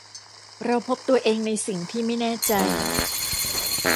เราพบตัวเองในสิ่งที่ไม่แน่ใจ